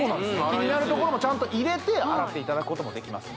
キニナルところもちゃんと入れて洗っていただくこともできます